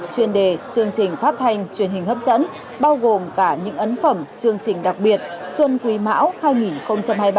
chuyên đề chương trình phát thanh truyền hình hấp dẫn bao gồm cả những ấn phẩm chương trình đặc biệt xuân quý mão hai nghìn hai mươi ba